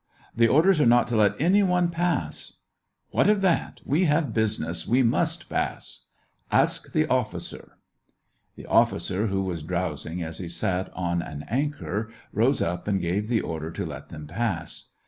" The orders are not to let any one pass !"" What of that ! We have business ! We must pass !"" Ask the officer." The officer, who was drowsing as he sat on an anchor, rose up and gave the order to let them pass.